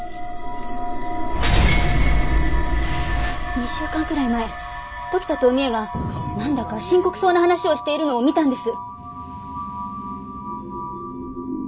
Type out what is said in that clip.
２週間くらい前時田とお三枝が何だか深刻そうな話をしているのを見たんです。